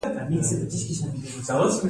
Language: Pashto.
د موټرو واردات څومره دي؟